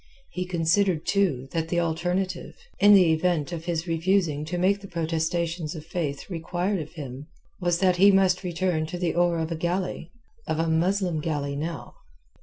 He considered, too, that the alternative—in the event of his refusing to make the protestations of Faith required of him—was that he must return to the oar of a galley, of a Muslim galley now.